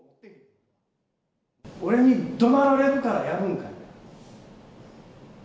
俺にどなられるからやるんかい？